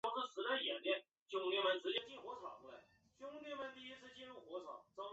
他是法国大革命时期著名的政治家和演说家。